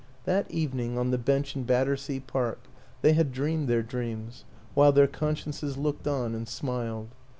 That evening, on the bench in Batter sea Park, they had dreamed their dreams while their consciences looked on and smiled.